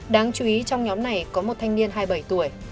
đáng chú ý trong nhóm này có một thanh niên hai mươi bảy tuổi